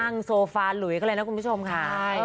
โซฟาหลุยกันเลยนะคุณผู้ชมค่ะ